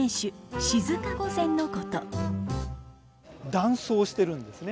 男装してるんですね。